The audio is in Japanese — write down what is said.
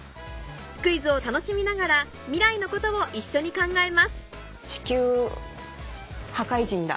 クイズを楽しみながら未来のことを一緒に考えます地球破壊人だ。